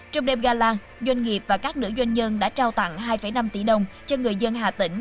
trong đêm gala doanh nghiệp và các nữ doanh nhân đã trao tặng hai năm tỷ đồng cho người dân hà tĩnh